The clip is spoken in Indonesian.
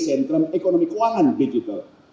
ekonomi keuangan digital